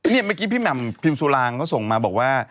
เมื่อกี้พี่แหม่มพิมสุรางเขาส่งมาบอกว่า